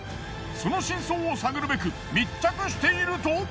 その真相を探るべく密着していると。